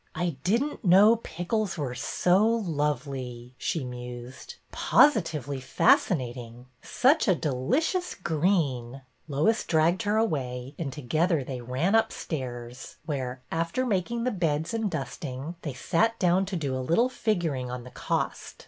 ''I didn't know pickles were so lovely!" she mused. '' Positively fascinating 1 Such a deli cious green 1 " Lois dragged her away, and together they ran upstairs, where, after making the beds and dust ing, they sat down to do a little figuring on the cost.